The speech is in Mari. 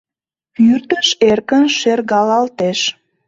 Пӱрдыш эркын шергалалтеш.